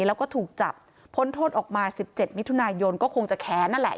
แล้วก็ถูกจับพ้นโทษออกมา๑๗มิถุนายนก็คงจะแค้นนั่นแหละ